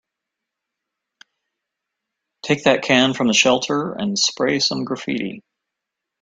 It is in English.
Take that can from the shelter and spray some graffiti.